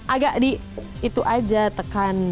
agak di itu aja tekan